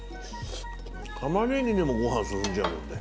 玉ねぎでもご飯進んじゃうもんね。